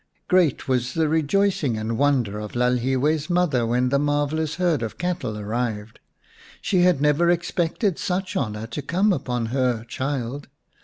Great was the rejoicing and wonder of Lalhiwe's mother when the marvellous herd of cattle 149 Baboon Skins xn arrived. She had never expected such honour to come upon her child.